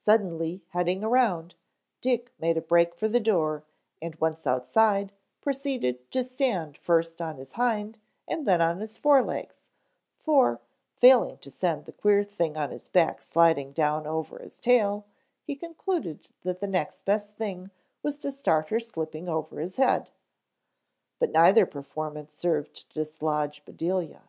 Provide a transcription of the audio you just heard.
Suddenly heading around, Dick made a break for the door and once outside proceeded to stand first on his hind and then on his fore legs, for, failing to send the queer thing on his back sliding down over his tail, he concluded that the next best thing was to start her slipping over his head. But neither performance served to dislodge Bedelia.